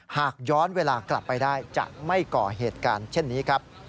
หากย้อนเวลากลับไปได้จะไม่ก่อเหตุการณ์เช่นนี้ครับ